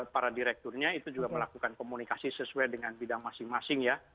para direkturnya itu juga melakukan komunikasi sesuai dengan bidang masing masing ya